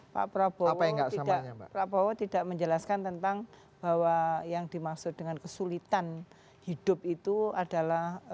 pak prabowo tidak menjelaskan tentang bahwa yang dimaksud dengan kesulitan hidup itu adalah